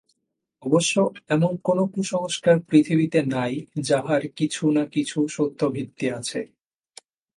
অবশ্য এমন কোন কুসংস্কার পৃথিবীতে নাই, যাহার কিছু না কিছু সত্য ভিত্তি আছে।